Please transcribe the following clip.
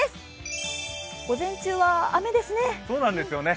午前中は雨ですね。